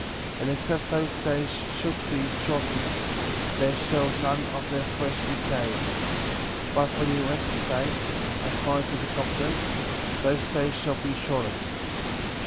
20. And except those days should be shortened, there should none of their flesh be saved; but for the elect's sake, according to the covenant, those days shall be shortened.